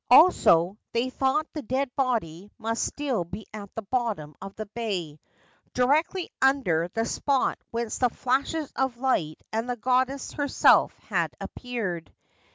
Also, they thought the dead body must still be at the bottom of the bay, directly under the spot whence the flashes of light and the goddess herself had appeared.